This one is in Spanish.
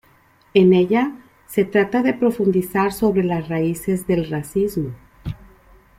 En ella se trata de profundizar sobre las raíces del racismo.